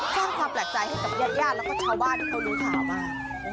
สร้างความแปลกใจให้กับญาติและก็ชาวบ้านเขาดูขาวมาก